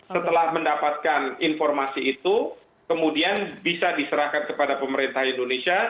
setelah mendapatkan informasi itu kemudian bisa diserahkan kepada pemerintah indonesia